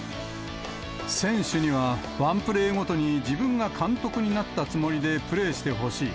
選手には、ワンプレーごとに自分が監督になったつもりでプレーしてほしい。